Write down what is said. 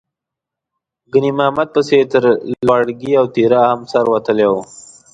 ګنې امامت پسې یې تر لواړګي او تیرا هم سر وتلی و.